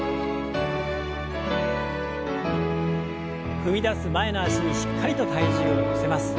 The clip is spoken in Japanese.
踏み出す前の脚にしっかりと体重を乗せます。